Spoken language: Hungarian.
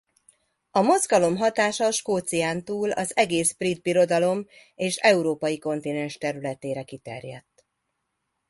A mozgalom hatása Skócián túl az egész Brit Birodalom és európai kontinens területére kiterjedt.